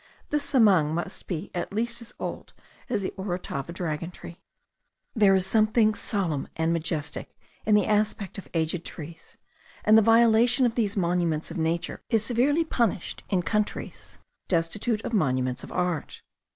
This zamang must be at least as old as the Orotava dragon tree. There is something solemn and majestic in the aspect of aged trees; and the violation of these monuments of nature is severely punished in countries destitute of monuments of art.